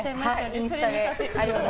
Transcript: インスタで。